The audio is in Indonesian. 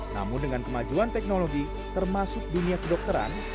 namun dengan kemajuan teknologi termasuk dunia kedokteran